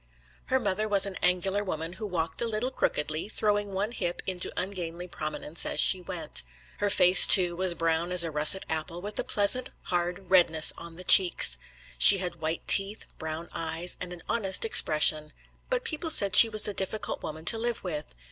Her mother was an angular woman who walked a little crookedly, throwing one hip into ungainly prominence as she went. Her face, too, was brown as a russet apple, with a pleasant hard redness on the cheeks. She had white teeth, brown eyes, and an honest expression. But people said she was a difficult woman to live with.